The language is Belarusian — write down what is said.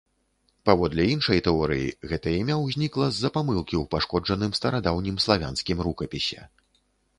Паводле іншай тэорыі, гэта імя ўзнікла з-за памылкі ў пашкоджаным старадаўнім славянскім рукапісе.